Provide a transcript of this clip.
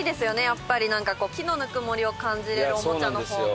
やっぱりなんかこう木のぬくもりを感じられるおもちゃの方が。